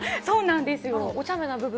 そうなんですよ。